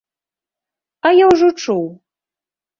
А я ўжо чуў.